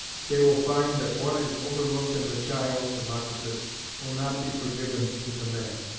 They will find that what is overlooked in the child (Democritus) will not be forgiven to the man.